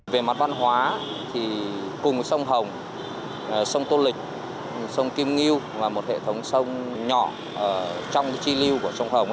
về mặt văn hóa cùng sông hồng sông tô lịch sông kim nghiêu là một hệ thống sông nhỏ trong tri lưu